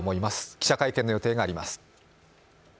記者会見の予定があります。